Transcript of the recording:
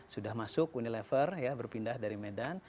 sudah masuk unilever ya berpindah dari medan